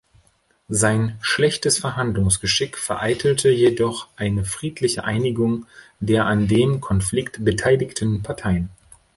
Sein schlechtes Verhandlungsgeschick vereitelte jedoch eine friedliche Einigung der an dem Konflikt beteiligten Parteien.